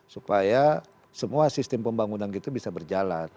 supaya semua sistem pembangunan itu bisa berjalan